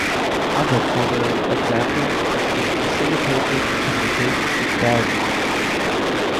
Other prominent examples include facilitated communication and dowsing.